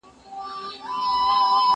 که وخت وي سبزیجات تياروم